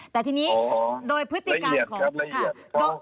แต่ทีนี้โดยพฤติการของโอ้โฮละเอียดครับ